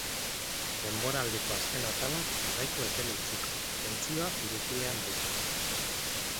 Denboraldiko azken atalak ez gaitu epel utziko, tentsioa pil-pilean baitago.